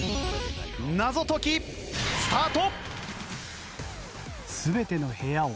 謎解きスタート！